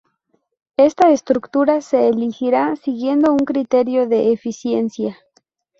Esta estructura se elegirá siguiendo un criterio de eficiencia.